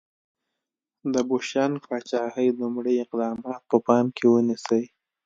د بوشنګ پاچاهۍ لومړي اقدامات په پام کې ونیسئ.